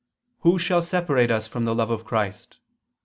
. shall separate us from the love of Christ?